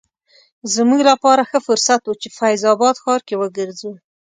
زموږ لپاره ښه فرصت و چې فیض اباد ښار کې وګرځو.